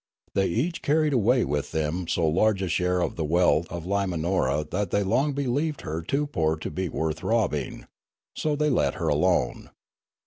They each carried awa} with them so large a share of the wealth of Limanora that the} long believed her too poor to be worth robbing. So they let her alone.